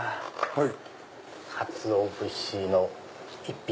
はい。